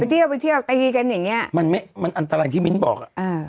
เที่ยวไปเที่ยวตีกันอย่างเงี้ยมันไม่มันอันตรายที่มิ้นบอกอ่ะอ่า